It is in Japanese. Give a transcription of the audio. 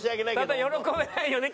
ただ喜べないよね